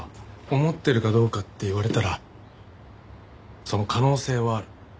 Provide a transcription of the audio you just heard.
思ってるかどうかって言われたらその可能性はある。